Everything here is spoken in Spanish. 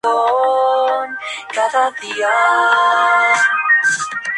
A partir de ese punto se dedicó a la pintura exclusivamente.